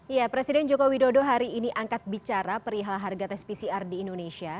ya presiden joko widodo hari ini angkat bicara perihal harga tes pcr di indonesia